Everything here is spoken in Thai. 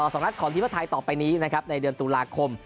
สองนัดของทีมชาติไทยต่อไปนี้นะครับในเดือนตุลาคม